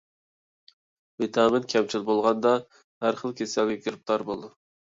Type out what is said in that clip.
ۋىتامىن كەمچىل بولغاندا، ھەر خىل كېسەلگە گىرىپتار بولىدۇ.